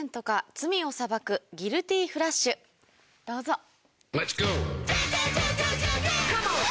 どうぞ。